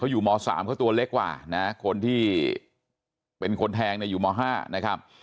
อยู่ม๓เขาตัวเล็กกว่านะคนที่เป็นคนแทงเนี่ยอยู่ม๕นะครับ